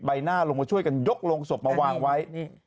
ใบหน้าลงมาช่วยกันยกโรงศพมาวางไว้